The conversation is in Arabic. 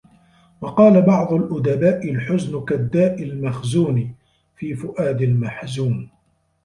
وَقَالَ بَعْضُ الْأُدَبَاءِ الْحُزْنُ كَالدَّاءِ الْمَخْزُونِ فِي فُؤَادِ الْمَحْزُونِ